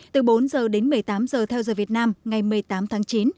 từ bốn giờ đến một mươi tám giờ theo giờ việt nam ngày một mươi tám tháng chín